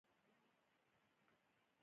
زه پرون ښار ته تللې وم تېر مهال دی.